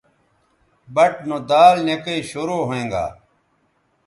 بَٹ نو دال نِکئ شروع ھوینگا